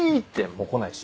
もう来ないし。